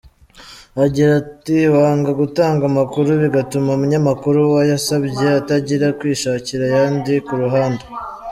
Agira at "Wanga gutanga amakuru bigatuma umunyamakuru wayasabye atangira kwishakira ayandi ku ruhande.